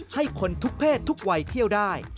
ให้คนทุกเพศทุกวัยเที่ยวได้